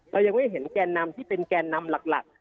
เรายังไม่เห็นแกนนำที่เป็นแกนนำหลัก